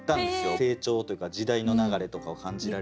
成長というか時代の流れとかを感じられるから。